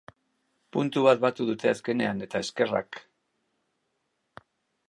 Puntu bat batu dute azkenean, eta eskerrak.